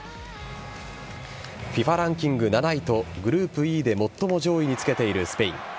ＦＩＦＡランキング７位とグループＥで最も上位につけているスペイン。